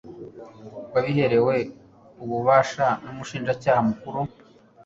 wabiherewe ububasha n'Umushinjacyaha Mukuru